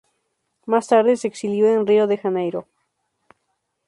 Más tarde se exilió en Río de Janeiro.